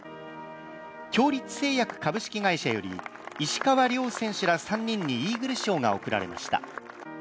共立製薬株式会社より石川遼選手ら３人にイーグル賞が贈られました。